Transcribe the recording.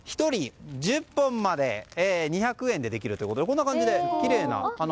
１人１０本まで２００円でできるということでこんな感じで色とりどりなきれいな。